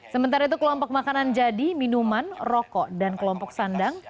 sementara itu kelompok makanan jadi minuman rokok dan kelompok sandang